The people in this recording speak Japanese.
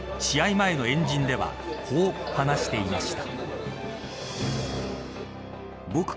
前の円陣ではこう話していました。